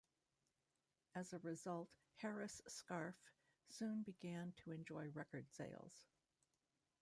As a result, Harris Scarfe soon began to enjoy record sales.